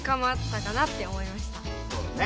そうだね。